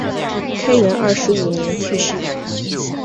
开元二十五年去世。